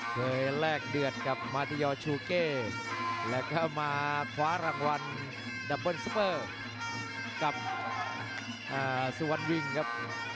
แลกเดือดกับมาติยอร์ชูเก้แล้วก็มาคว้ารางวัลดับเบิ้ลซูเปอร์กับสุวรรณวิงครับ